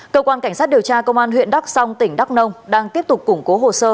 cơ quan cảnh sát điều tra công an huyện đắk song tỉnh đắk nông đang tiếp tục củng cố hồ sơ